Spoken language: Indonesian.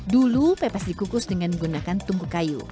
dulu pepes dikukus dengan menggunakan tungku kayu